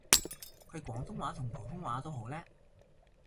佢廣東話同普通話都好叻